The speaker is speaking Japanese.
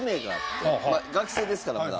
学生ですからまだ。